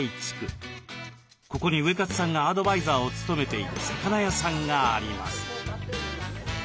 ここにウエカツさんがアドバイザーを務めている魚屋さんがあります。